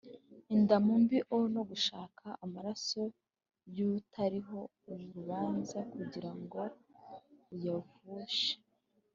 indamu mbi o no gushaka amaraso y utariho urubanza kugira ngo uyavushe